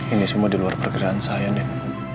ini semua di luar perkiraan saya deh